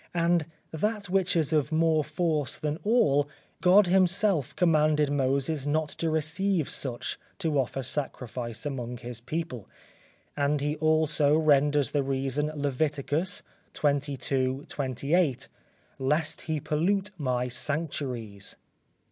And that which is of more force than all, God himself commanded Moses not to receive such to offer sacrifice among his people; and he also renders the reason Leviticus, xxii. 28, "Lest he pollute my sanctuaries."